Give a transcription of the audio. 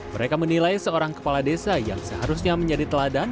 mereka menilai seorang kepala desa yang seharusnya menjadi teladan